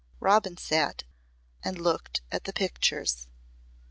Robin sat and looked at the pictures.